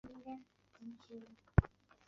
位于句容市下蜀镇亭子村。